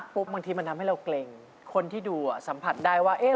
เสียบตรงนี้เจ็บที่ใกล้